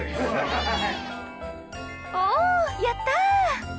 おやった！